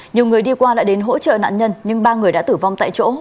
nhiều người đi qua đã đến hỗ trợ nạn nhân nhưng ba người đã tử vong tại chỗ